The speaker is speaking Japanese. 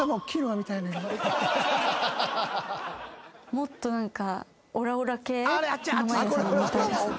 もっと何か。